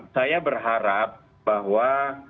saya berharap bahwa